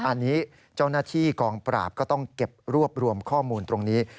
อันนี้เจ้าหน้าที่กองปราบก็ต้องเก็บรวบรวมข้อมูลตรงนี้